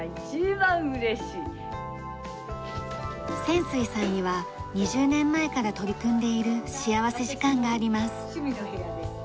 泉水さんには２０年前から取り組んでいる幸福時間があります。